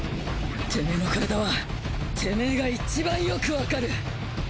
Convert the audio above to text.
てめェの身体はてめェが一番よくわかる。